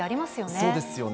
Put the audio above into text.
そうですよね。